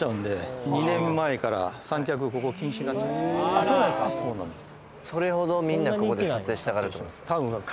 あっそうなんですかそうなんです